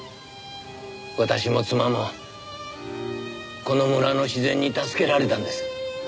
私も妻もこの村の自然に助けられたんです。